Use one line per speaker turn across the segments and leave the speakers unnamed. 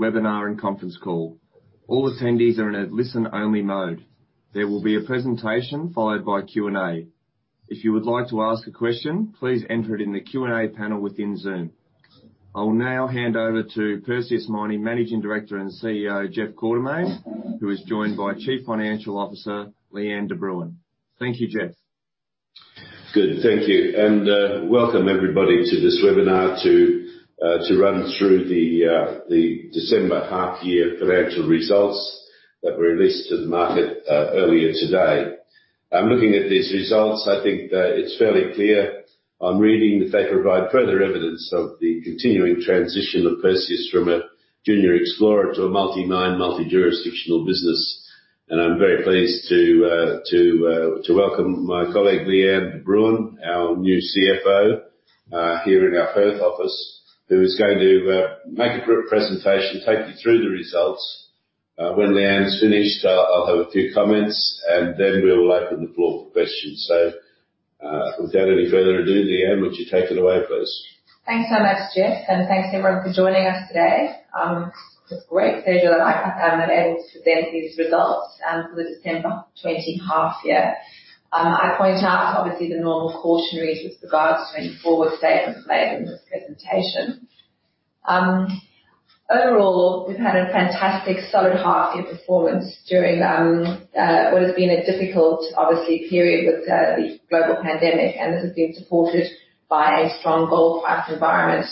Webinar and conference call. All attendees are in a listen-only mode. There will be a presentation followed by Q&A. If you would like to ask a question, please enter it in the Q&A panel within Zoom. I will now hand over to Perseus Mining Managing Director and CEO, Jeff Quartermaine, who is joined by Chief Financial Officer, Lee-Anne de Bruin. Thank you, Jeff.
Good. Thank you. Welcome everybody to this webinar to run through the December half-year financial results that were released to the market earlier today. Looking at these results, I think that it's fairly clear on reading that they provide further evidence of the continuing transition of Perseus from a junior explorer to a multi-mine, multi-jurisdictional business. I'm very pleased to welcome my colleague, Lee-Anne de Bruin, our new CFO, here in our Perth office, who is going to make a presentation, take you through the results. When Lee-Anne's finished, I'll have a few comments and then we will open the floor for questions. Without any further ado, Lee-Anne, would you take it away, please?
Thanks so much, Jeff. Thanks everyone for joining us today. It's great, Jeff and I, that I'm able to present these results for the December 2020 half year. I point out, obviously, the normal cautionaries with regards to any forward statements made in this presentation. Overall, we've had a fantastic solid half year performance during what has been a difficult, obviously, period with the global pandemic, and this has been supported by a strong gold price environment.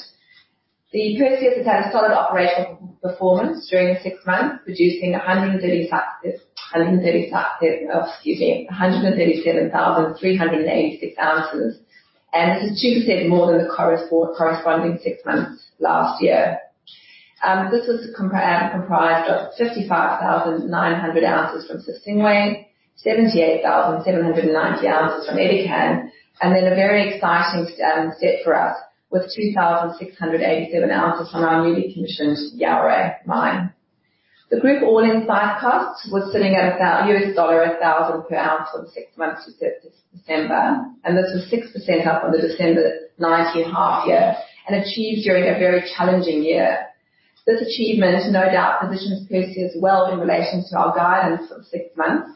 Perseus has had a solid operational performance during the six months, producing 137,386 ounces, and this is 2% more than the corresponding six months last year. This was comprised of 55,900 ounces from Sissingué, 78,790 ounces from Edikan, and then a very exciting step for us with 2,687 ounces from our newly commissioned Yaouré mine. The group all-in site cost was sitting at $1,000 per ounce for the six months to September, and this was 6% up on the December 2019 half year and achieved during a very challenging year. This achievement no doubt positions Perseus well in relation to our guidance for the six months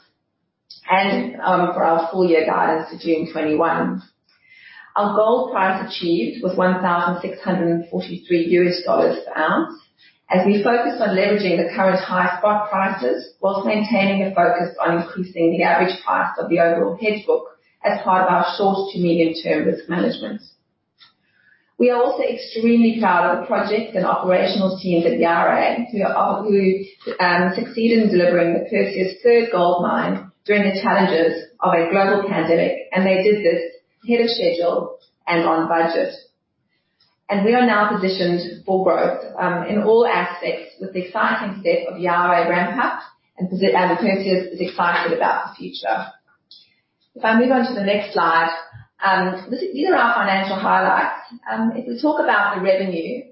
and for our full year guidance to June 2021. Our gold price achieved was $1,643 per ounce as we focused on leveraging the current high spot prices whilst maintaining a focus on increasing the average price of the overall hedge book as part of our short to medium-term risk management. We are also extremely proud of the project and operational teams at Yaouré who succeeded in delivering Perseus' third gold mine during the challenges of a global pandemic. They did this ahead of schedule and on budget. We are now positioned for growth, in all aspects with the exciting step of Yaouré ramp-up and Perseus is excited about the future. I move on to the next slide. These are our financial highlights. We talk about the revenue.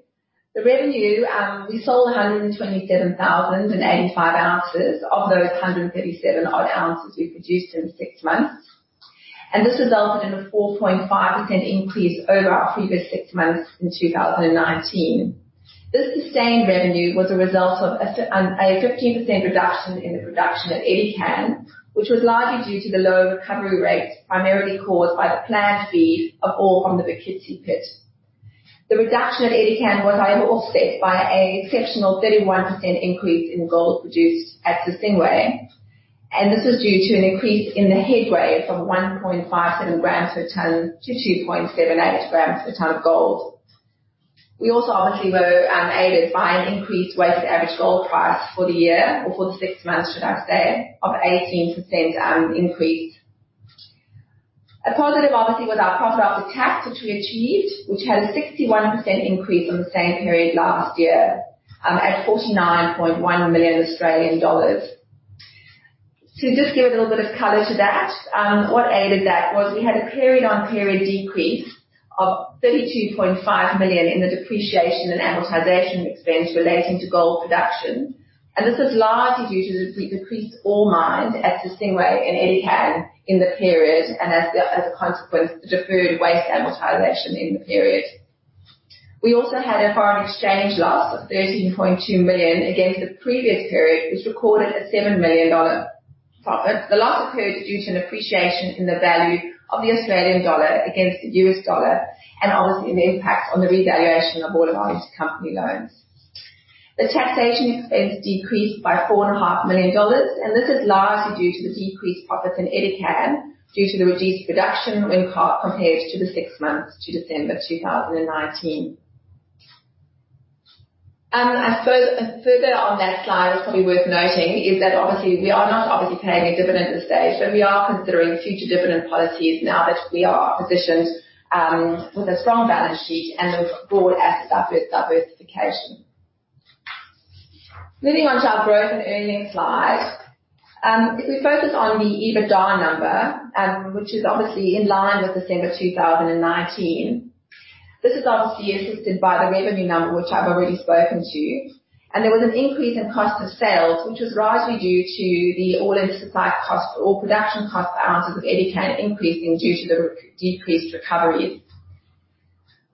The revenue, we sold 127,085 ounces of those 137 odd ounces we produced in six months. This resulted in a 4.5% increase over our previous six months in 2019. This sustained revenue was a result of a 15% reduction in the production at Edikan, which was largely due to the lower recovery rates primarily caused by the planned feed of ore from the Bokitsi Pit. The reduction at Edikan was, however, offset by an exceptional 31% increase in gold produced at Sissingué. This was due to an increase in the head grade from 1.57 grams per tonne to 2.78 grams per tonne gold. We also obviously were aided by an increased weighted average gold price for the year or for the six months, should I say, of 18% increase. A positive, obviously, was our profit after tax, which we achieved, which had a 61% increase from the same period last year, at 49.1 million Australian dollars. To just give a little bit of color to that. What aided that was we had a period-on-period decrease of 32.5 million in the depreciation and amortization expense relating to gold production. This was largely due to the decreased ore mined at Sissingué and Edikan in the period and as a consequence, the deferred waste amortization in the period. We also had a foreign exchange loss of 13.2 million against the previous period, which recorded a 7 million dollar profit. The loss occurred due to an appreciation in the value of the Australian dollar against the US dollar and obviously an impact on the revaluation of all of our company loans. The taxation expense decreased by 4.5 million dollars, and this is largely due to the decreased profits in Edikan due to the reduced production when compared to the six months to December 2019. Further on that slide, it's probably worth noting, is that obviously we are not obviously paying a dividend at this stage, but we are considering future dividend policies now that we are positioned with a strong balance sheet and with broad asset diversification. Moving on to our growth and earnings slide. If we focus on the EBITDA number, which is obviously in line with December 2019. This is obviously assisted by the revenue number, which I have already spoken to. There was an increase in cost of sales, which was largely due to the all-in sustaining cost or production cost per ounce of Edikan increasing due to the decreased recovery.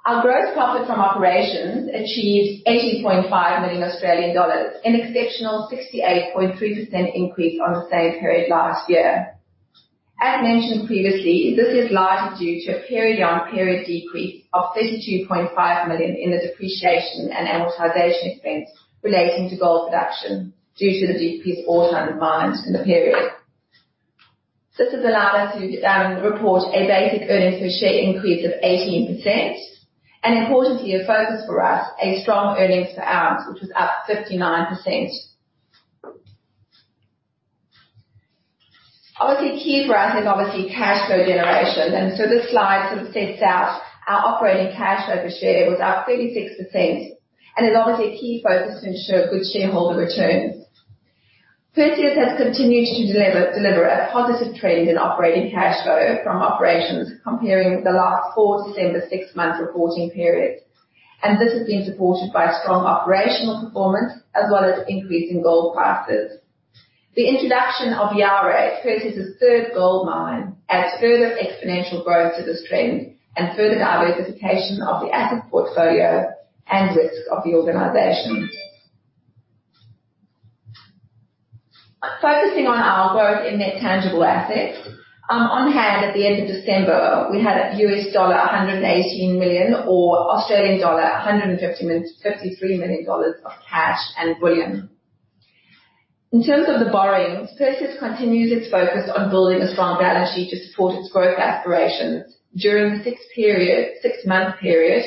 Our gross profit from operations achieved 80.5 million Australian dollars, an exceptional 68.3% increase on the same period last year. As mentioned previously, this is largely due to a period-on-period decrease of 32.5 million in the depreciation and amortization expense relating to gold production due to the decreased ore ton mined in the period. This has allowed us to report a basic earnings per share increase of 18% and importantly, a focus for us, a strong earnings per ounce, which was up 59%. Obviously, key for us is obviously cash flow generation, this slide sort of sets out our operating cash flow per share. It was up 36% and is obviously a key focus to ensure good shareholder returns. Perseus has continued to deliver a positive trend in operating cash flow from operations comparing the last four December six-month reporting periods, and this has been supported by strong operational performance as well as increasing gold prices. The introduction of Yaouré, Perseus's third gold mine, adds further exponential growth to this trend and further diversification of the asset portfolio and risk of the organization. Focusing on our growth in net tangible assets. On hand, at the end of December, we had $118 million or Australian dollar 153 million of cash and bullion. In terms of the borrowings, Perseus continues its focus on building a strong balance sheet to support its growth aspirations. During the six-month period,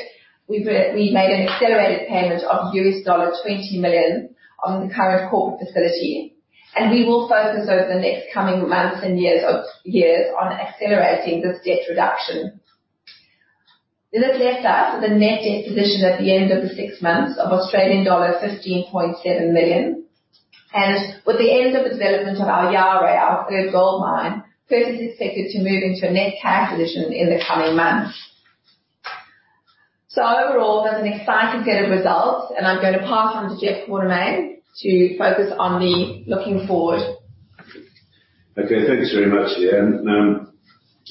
we made an accelerated payment of $20 million on the current corporate facility. We will focus over the next coming months and years on accelerating this debt reduction. This left us with a net debt position at the end of the six months of Australian dollar 15.7 million. With the end of the development of our Yaouré, our third gold mine, Perseus is expected to move into a net cash position in the coming months. Overall, that's an exciting set of results and I'm going to pass on to Jeff Quartermaine to focus on the looking forward.
Okay. Thanks very much, Lee-Anne.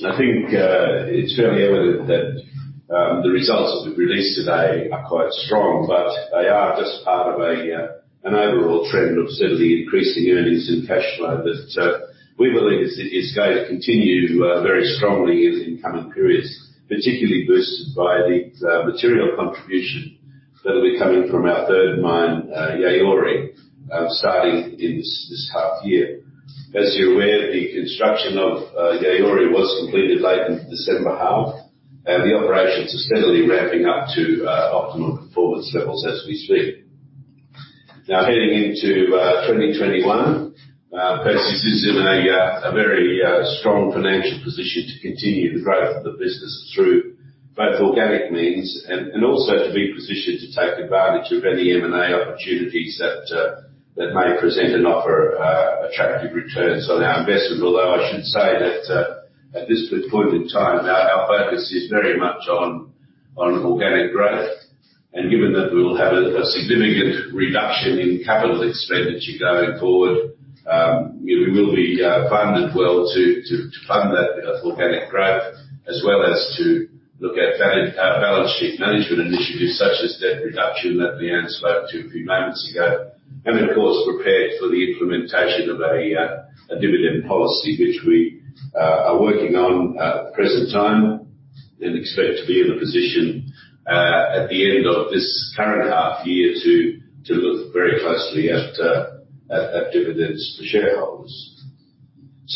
I think it's fairly evident that the results that we've released today are quite strong, but they are just part of an overall trend of steadily increasing earnings and cash flow that we believe is going to continue very strongly in the coming periods, particularly boosted by the material contribution that'll be coming from our third mine, Yaouré, starting in this half year. As you're aware, the construction of Yaouré was completed late in the December half, and the operations are steadily ramping up to optimal performance levels as we speak. Now, heading into 2021, Perseus is in a very strong financial position to continue the growth of the business through both organic means and also to be positioned to take advantage of any M&A opportunities that may present and offer attractive returns on our investment. Although I should say that at this point in time, our focus is very much on organic growth. Given that we will have a significant reduction in capital expenditure going forward, we will be funded well to fund that organic growth, as well as to look at our balance sheet management initiatives such as debt reduction that Lee-Anne spoke to a few moments ago. Of course, prepared for the implementation of a dividend policy, which we are working on at the present time and expect to be in a position, at the end of this current half year, to look very closely at dividends for shareholders.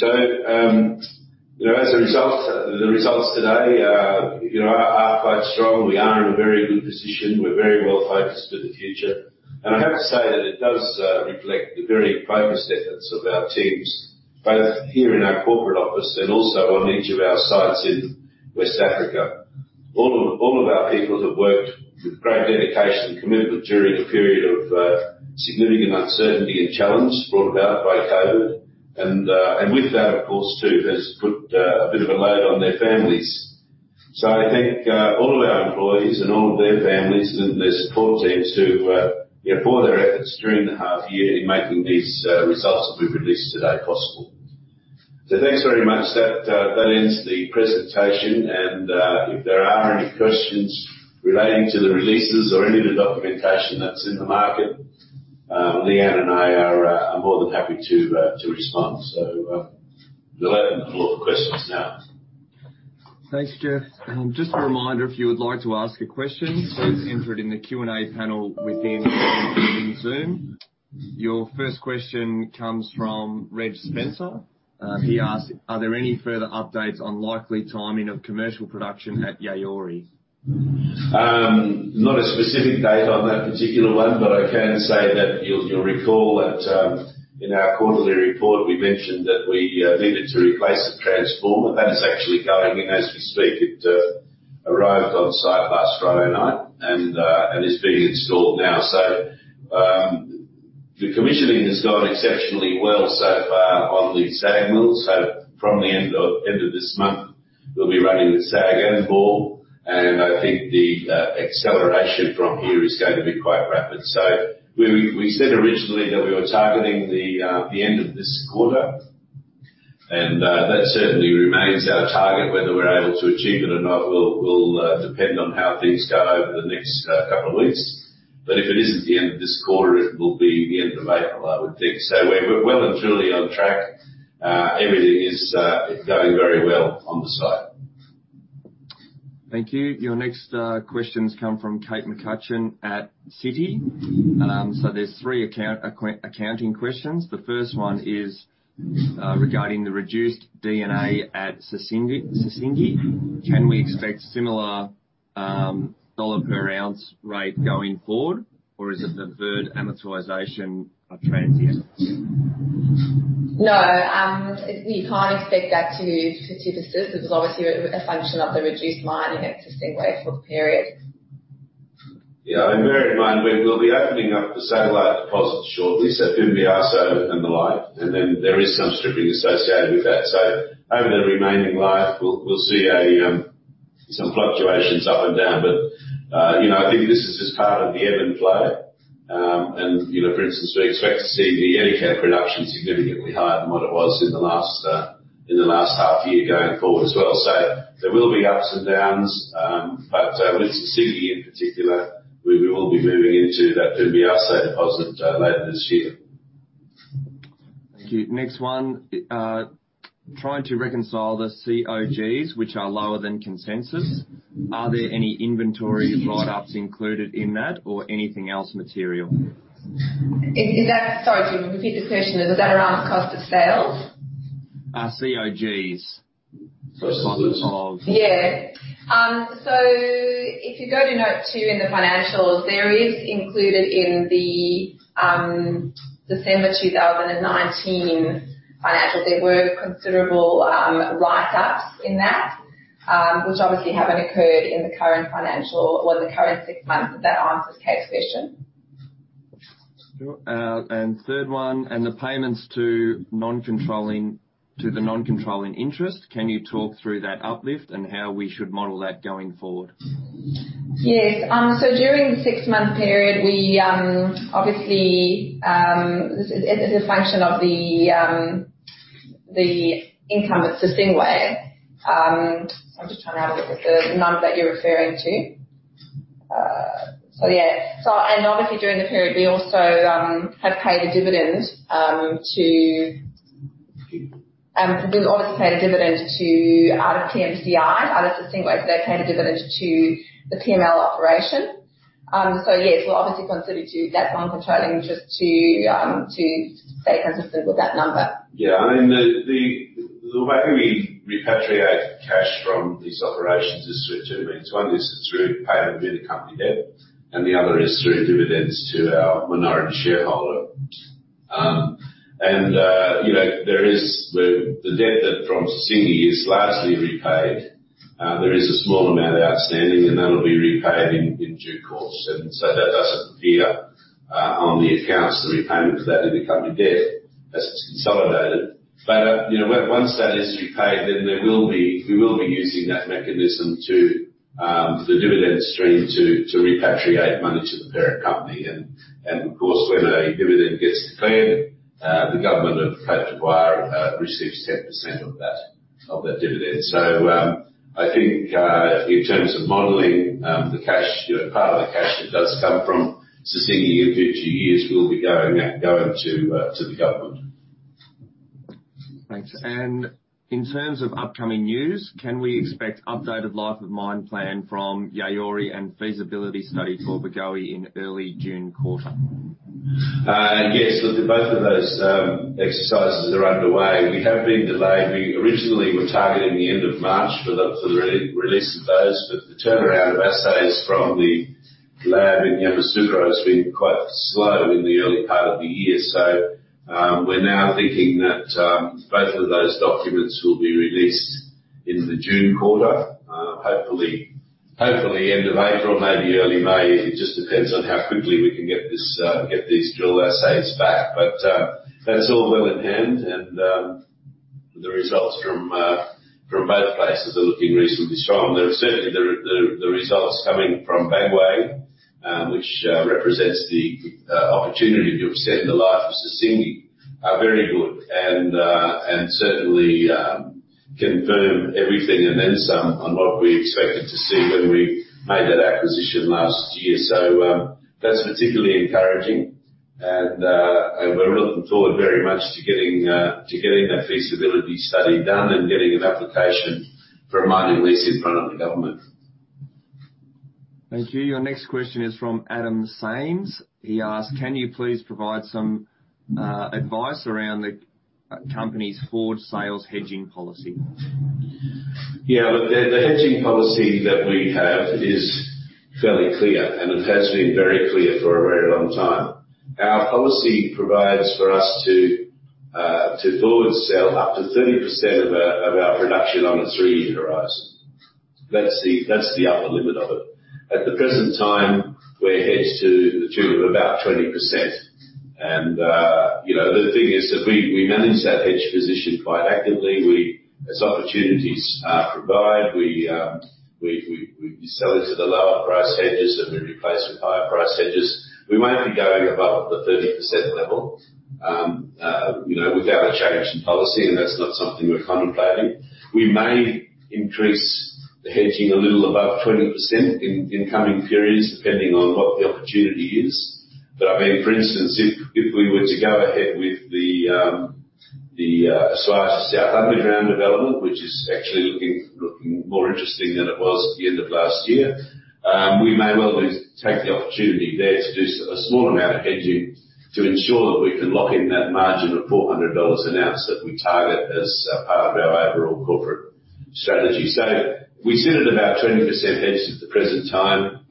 As a result, the results today are quite strong. We are in a very good position. We are very well focused for the future. I have to say that it does reflect the very focused efforts of our teams, both here in our corporate office and also on each of our sites in West Africa. All of our people have worked with great dedication and commitment during a period of significant uncertainty and challenge brought about by COVID. With that, of course, too, has put a bit of a load on their families. I thank all of our employees and all of their families and their support teams for their efforts during the half year in making these results that we've released today possible. Thanks very much. That ends the presentation. If there are any questions relating to the releases or any of the documentation that's in the market, Lee-Anne and I are more than happy to respond. We'll open the floor for questions now.
Thanks, Jeff. Just a reminder, if you would like to ask a question, please enter it in the Q&A panel within Zoom. Your first question comes from Reg Spencer. He asks, "Are there any further updates on likely timing of commercial production at Yaouré?
Not a specific date on that particular one, but I can say that you'll recall that in our quarterly report, we mentioned that we needed to replace the transformer. That is actually going in as we speak. It arrived on site last Friday night and is being installed now. The commissioning has gone exceptionally well so far on the SAG mill. From the end of this month, we'll be running the SAG and ball, and I think the acceleration from here is going to be quite rapid. We said originally that we were targeting the end of this quarter. That certainly remains our target. Whether we're able to achieve it or not will depend on how things go over the next couple of weeks. If it isn't the end of this quarter, it will be the end of April, I would think. We're well and truly on track. Everything is going very well on the site.
Thank you. Your next questions come from Kate McCutcheon at Citi. There's three accounting questions. The first one is regarding the reduced DD&A at Sissingué. Can we expect similar dollar per ounce rate going forward, or is it the deferred waste amortization are transient?
No. You can't expect that to persist. This is obviously a function of the reduced mining at Sissingué for the period.
Yeah. Bear in mind, we will be opening up the satellite deposits shortly, so Pimbua South and the like, and then there is some stripping associated with that. Over the remaining life, we'll see some fluctuations up and down. I think this is just part of the ebb and flow. For instance, we expect to see the Yaouré production significantly higher than what it was in the last half year going forward as well. There will be ups and downs. With Sissingué, in particular, we will be moving into that Pimbua South deposit later this year.
Thank you. Next one. Trying to reconcile the COGS, which are lower than consensus. Are there any inventory write-ups included in that or anything else material?
Sorry, can you repeat the question? Is that around cost of sales?
COGS.
Cost of-
Yeah. If you go to note two in the financials, there is included in the December 2019 financials. There were considerable write-ups in that which obviously haven't occurred in the current financial or the current six months. Does that answer Kate's question?
Sure. Third one, the payments to the non-controlling interest, can you talk through that uplift and how we should model that going forward?
Yes. During the six-month period, obviously, it's a function of the income at Sissingué. I'm just trying to have a look at the number that you're referring to. Obviously, during the period, we also have paid a dividend to TMCI out of Sissingué. They paid a dividend to the PML operation. Yes, we'll obviously consider to that non-controlling interest to stay consistent with that number.
The way we repatriate cash from these operations is through two means. One is through paying the company debt, and the other is through dividends to our minority shareholder. The debt from Sissingué is largely repaid. There is a small amount outstanding, and that'll be repaid in due course. That doesn't appear on the accounts, the repayment for that in the company debt as it's consolidated. Once that is repaid, then we will be using that mechanism to the dividend stream to repatriate money to the parent company. Of course, when a dividend gets declared, the government of Papua receives 10% of that dividend. I think, in terms of modeling part of the cash that does come from Sissingué in future years will be going to the government.
Thanks. In terms of upcoming news, can we expect updated life of mine plan from Yaouré and feasibility study for Bagoé in early June quarter?
Yes. Look, both of those exercises are underway. We have been delayed. We originally were targeting the end of March for the release of those. The turnaround of assays from the lab in Yamoussoukro has been quite slow in the early part of the year. We're now thinking that both of those documents will be released in the June quarter. Hopefully end of April, maybe early May. It just depends on how quickly we can get these drill assays back. That's all well in hand. The results from both places are looking reasonably strong. Certainly, the results coming from Bagoé, which represents the opportunity to extend the life of Sissingué, are very good and certainly confirm everything and then some on what we expected to see when we made that acquisition last year. That's particularly encouraging, and we're looking forward very much to getting that feasibility study done and getting an application for a mining lease in front of the government.
Thank you. Your next question is from Adam Sames. He asks, "Can you please provide some advice around the company's forward sales hedging policy?
Yeah. Look, the hedging policy that we have is fairly clear. It has been very clear for a very long time. Our policy provides for us to forward sell up to 30% of our production on a three-year horizon. That's the upper limit of it. At the present time, we're hedged to the tune of about 20%. The thing is that we manage that hedge position quite actively. As opportunities provide, we sell into the lower price hedges. We replace with higher price hedges. We won't be going above the 30% level without a change in policy. That's not something we're contemplating. We may increase the hedging a little above 20% in coming periods, depending on what the opportunity is. For instance, if we were to go ahead with the Esuajah South underground development, which is actually looking more interesting than it was at the end of last year, we may well take the opportunity there to do a small amount of hedging to ensure that we can lock in that margin of $400 an ounce that we target as part of our overall corporate strategy. We sit at about 20% hedge at the present time.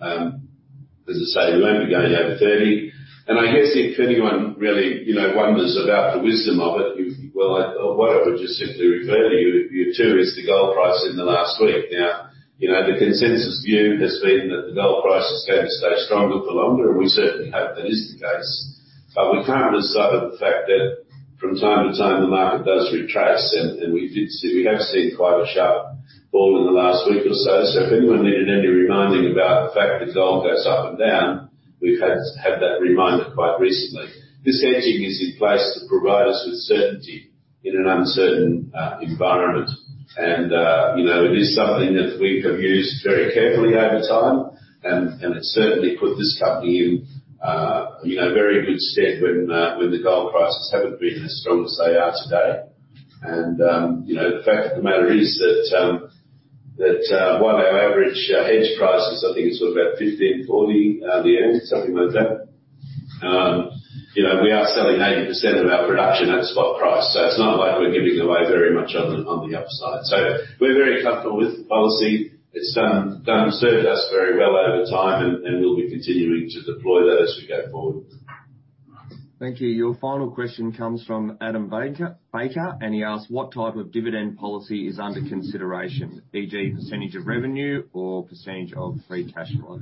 As I say, we won't be going over 30. I guess if anyone really wonders about the wisdom of it, well, I would just simply refer to you to the torrid, the gold price in the last week. The consensus view has been that the gold price is going to stay stronger for longer, and we certainly hope that is the case. We can't decide on the fact that from time to time, the market does retrace, and we have seen quite a sharp fall in the last week or so. If anyone needed any reminding about the fact that gold goes up and down, we've had that reminder quite recently. This hedging is in place to provide us with certainty in an uncertain environment. It is something that we have used very carefully over time, and it certainly put this company in a very good stead when the gold prices haven't been as strong as they are today. The fact of the matter is that while our average hedge price is, I think it's about $1,540 at the end, something like that. We are selling 80% of our production at spot price. It's not like we're giving away very much on the upside. We're very comfortable with the policy. It's served us very well over time, and we'll be continuing to deploy that as we go forward.
Thank you. Your final question comes from Adam Baker. He asks, "What type of dividend policy is under consideration, e.g., percentage of revenue or percentage of free cash flow?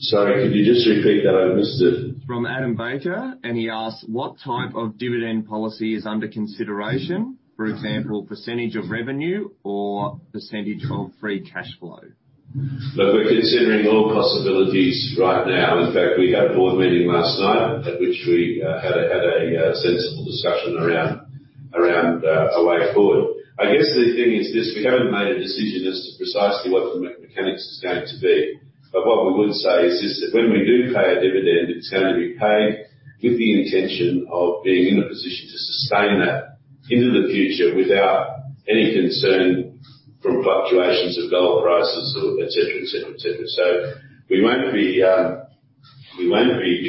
Sorry, could you just repeat that? I missed it.
From Adam Baker, and he asks, "What type of dividend policy is under consideration, for example, percentage of revenue or percentage of free cash flow?
Look, we're considering all possibilities right now. In fact, we had a board meeting last night at which we had a sensible discussion around a way forward. I guess the thing is this: we haven't made a decision as to precisely what the mechanics is going to be. What we would say is this, that when we do pay a dividend, it's going to be paid with the intention of being in a position to sustain that into the future without any concern from fluctuations of gold prices or et cetera. We won't be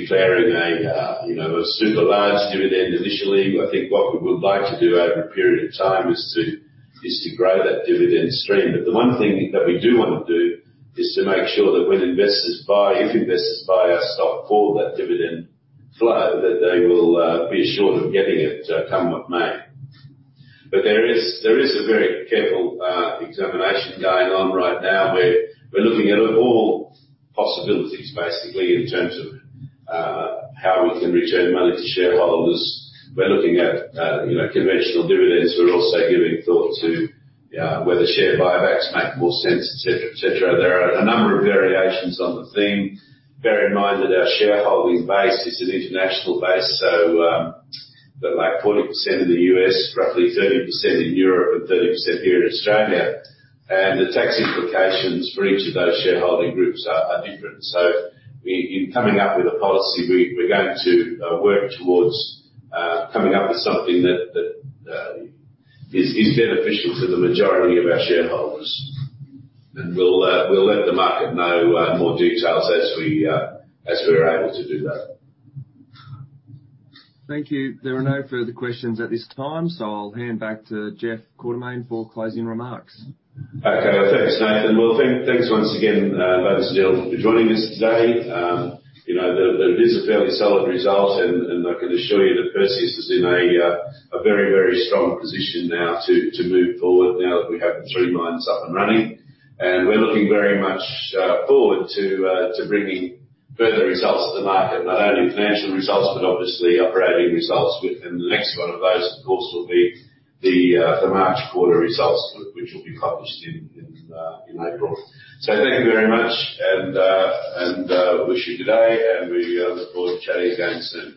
declaring a super large dividend initially. I think what we would like to do over a period of time is to grow that dividend stream. The one thing that we do want to do is to make sure that when investors buy, if investors buy our stock for that dividend flow, that they will be assured of getting it come what may. There is a very careful examination going on right now, where we're looking at all possibilities, basically, in terms of how we can return money to shareholders. We're looking at conventional dividends. We're also giving thought to whether share buybacks make more sense, et cetera. There are a number of variations on the theme. Bear in mind that our shareholding base is an international base. About 40% in the U.S., roughly 30% in Europe, and 30% here in Australia. The tax implications for each of those shareholding groups are different. In coming up with a policy, we're going to work towards coming up with something that is beneficial to the majority of our shareholders. We'll let the market know more details as we are able to do that.
Thank you. There are no further questions at this time, so I'll hand back to Jeff Quartermaine for closing remarks.
Okay. Thanks, Nathan. Well, thanks once again, ladies and gents, for joining us today. It is a fairly solid result, and I can assure you that Perseus is in a very strong position now to move forward now that we have the three mines up and running. We're looking very much forward to bringing further results to the market, not only financial results, but obviously operating results. The next one of those, of course, will be the March quarter results, which will be published in April. Thank you very much, and wish you today, and we look forward to chatting again soon.